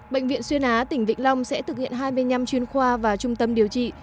bệnh viện xuyên á tỉnh vĩnh long sẽ thực hiện hai mươi năm chuyên khoa và trung tâm điều trị